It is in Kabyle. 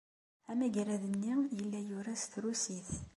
Amagrad-nni yella yura s trusit.